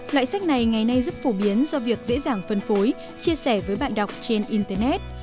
loại sách này ngày nay rất phổ biến do việc dễ dàng phân phối chia sẻ với bạn đọc trên internet